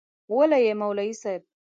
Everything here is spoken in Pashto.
وله يي مولوي صيب